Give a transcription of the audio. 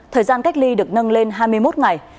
thời gian cách ly được nâng lên hai mươi một ngày